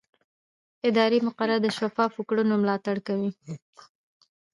اداري مقررات د شفافو کړنو ملاتړ کوي.